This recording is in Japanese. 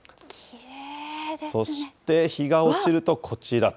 そして日が落ちるとこちらと。